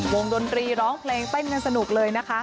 ดนตรีร้องเพลงเต้นกันสนุกเลยนะคะ